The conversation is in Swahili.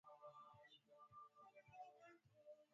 Katika kipindi cha ujumbe wake aliwasilisha mambo ishirini na Saba